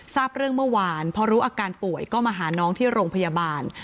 ทราบเรื่องเมื่อวานพอรู้อาการป่วยก็มาหาน้องที่โรงพยาบาล